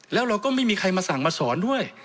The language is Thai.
แล้วเราก็ไม่มีใครมาสั่งมาสอนด้วย